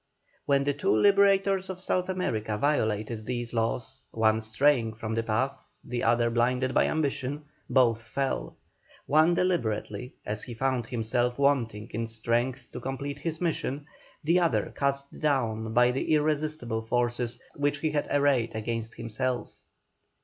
When the two liberators of South America violated these laws, one straying from the path, the other blinded by ambition, both fell; one deliberately, as he found himself wanting in strength to complete his mission; the other cast down by the irresistible forces which he had arrayed against himself.